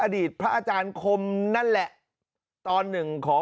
มีพฤติกรรมเสพเมถุนกัน